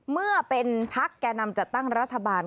เมื่อเป็นพักแก่นำจัดตั้งรัฐบาล